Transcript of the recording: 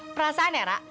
perasaan ya ra